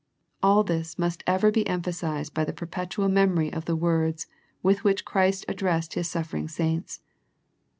All this must ever be emphasized by the perpetual memory of the words with which Christ addressed His suffering saints.